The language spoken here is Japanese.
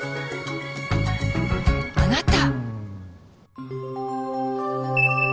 あなた。